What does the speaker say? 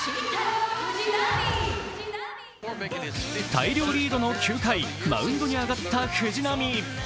大量リードの９回、マウンドに上がった藤波。